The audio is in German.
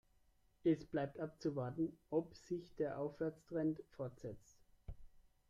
Es bleibt abzuwarten, ob sich der Aufwärtstrend fortsetzt.